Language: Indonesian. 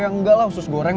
enggak lah usus goreng